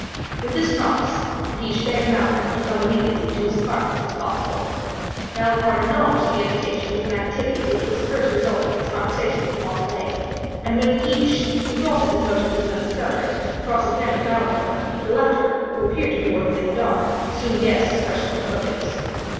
With this promise, De Guiche begged Malicorne to come immediately to his apartments, if possible. Malicorne acknowledged the invitation with an activity which was the first result of his conversation with Montalais. And while De Guiche, who thought that his motive was undiscovered, cross examined Malicorne, the latter, who appeared to be working in the dark, soon guessed his questioner's motives.